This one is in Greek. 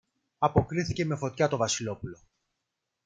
αποκρίθηκε με φωτιά το Βασιλόπουλο.